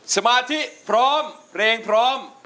สมาธิพร้อมเพลงพร้อม